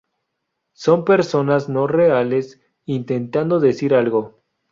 Son personas no reales intentando decir algo.